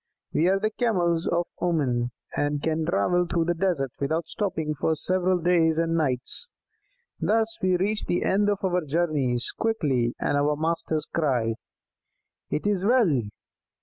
We are the Camels of Oman, and can travel through the desert without stopping for several days and nights. Thus we reach the end of our journeys quickly, and our masters cry: 'It is well!'